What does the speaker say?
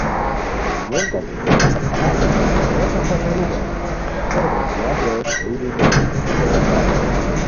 ملکہ کی فصل خراب ہونی ہتوتے خوشانی بوئے کوریکو زیاد روئے ݯھوئی بیتی ہتوت محتاج بونی